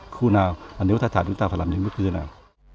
khu nào nếu tái thả chúng ta phải làm những bước như thế nào